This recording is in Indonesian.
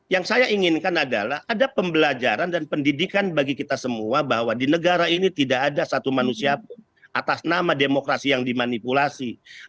yang saya inginkan adalah ada pembelajaran dan pendidikan bagi kita semua bahwa di negara ini tidak ada satu manusia pun atas nama demokrasi yang dimanipulasi